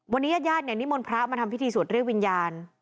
วันนี้ญาติญาติเนี่ยนิมนต์พระมาทำพิธีสวดเรียกวิญญาณ